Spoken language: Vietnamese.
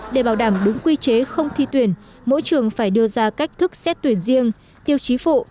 để bảo đảm đúng quy chế không thi tuyển mỗi trường phải đưa ra cách thức xét tuyển riêng tiêu chí phụ